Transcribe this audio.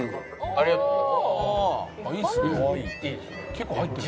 ありがとうございます。